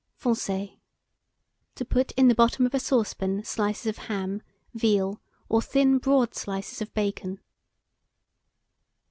FONCER. To put in the bottom of a saucepan slices of ham, veal, or thin broad slices of bacon.